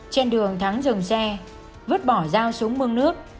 trên đường thắng dừng xe vứt bỏ dao xuống mương nước